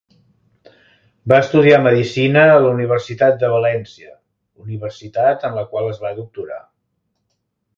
Va estudiar medicina a la Universitat de València, universitat en la qual es va doctorar.